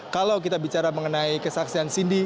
kalau kita bicara mengenai kesaksian cindy